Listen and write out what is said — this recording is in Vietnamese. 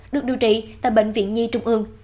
được điều trị tại bệnh viện nhi trung ương